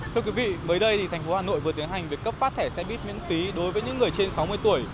thưa quý vị mới đây thành phố hà nội vừa tiến hành việc cấp phát thẻ xe buýt miễn phí đối với những người trên sáu mươi tuổi